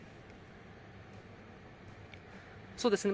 そうですね。